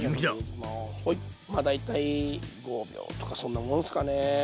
まあ大体５秒とかそんなもんすかね。